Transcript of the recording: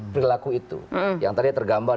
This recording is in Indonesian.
berlaku itu yang tadi tergambar